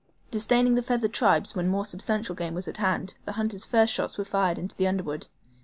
Disdaining the feathered tribes when more substantial game was at hand, the hunters' first shots were fired into the underwood.